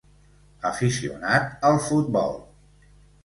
Aficionat al futbol.